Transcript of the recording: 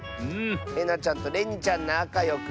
えなちゃんとれにちゃんなかよくしてね！